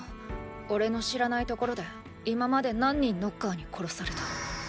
おれの知らない所で今まで何人ノッカーに殺された？